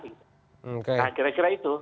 nah kira kira itu